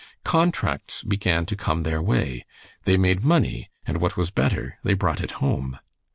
Contracts began to come their way. They made money, and what was better, they brought it home.